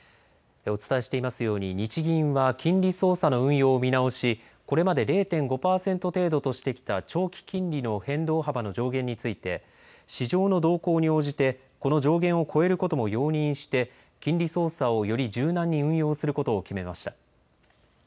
お伝えしていますように、日銀は金利操作の運用を見直し、これまで０．５％程度としてきた長期金利の変動幅の上限について、市場の動向に応じて、この上限を超えることも容認して、金利操作をより柔軟に運用することを決めました。